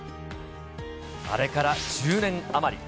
あれから１０年余り。